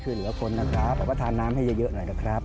เหลือคนนะครับผมก็ทานน้ำให้เยอะหน่อยนะครับ